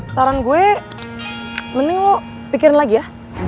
saran gue mending lo pikirin lagi ya